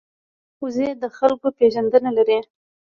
وزې د خلکو پېژندنه لري